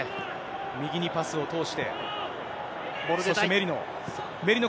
右にパスを通して、そしてメリノ。